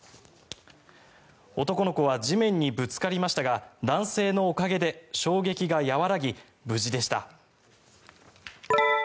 男の子は地面にぶつかりましたが男性のおかげで衝撃が和らぎ無事でした。